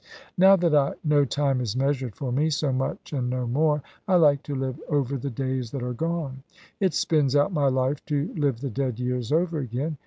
"Now that I know time is measured for me, so much and no more; I like to live over the days that are gone. It spins out my life to live the dead years over again.